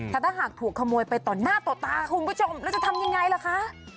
แต่ถ้าหากถูกขโมยไปต่อหน้าต่อตาคุณผู้ชมแล้วจะทำยังไงล่ะคะ